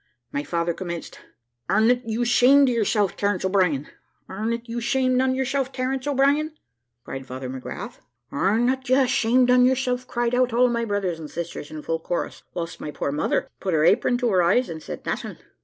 My father commenced `Ar'n't you ashamed on yourself, Terence O'Brien?' `Ar'n't you ashamed on yourself, Terence O'Brien?' cried Father McGrath. `Ar'n't you ashamed on yourself?' cried out all my brothers and sisters in full chorus, whilst my poor mother put her apron to her eyes and said nothing.